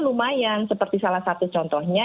lumayan seperti salah satu contohnya